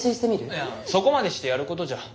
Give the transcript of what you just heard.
いやそこまでしてやることじゃ。